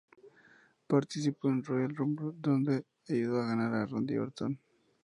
Participó en la Royal Rumble, donde ayudó a ganar a Randy orton.